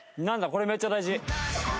これめっちゃ大事！